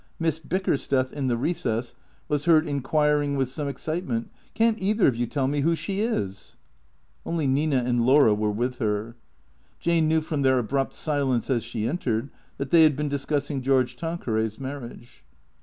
Miss Bickersteth, in the recess, was heard inquiring with some excite ment, " Can't either of you tell me who she is ?" Only Nina and Laura were with her. Jane knew from their abrupt silence, as she entered, that they had been discussing George Tanqueray's marriage.